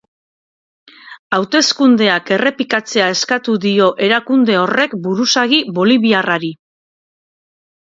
Hauteskundeak errepikatzea eskatu dio erakunde horrek buruzagi boliviarrari.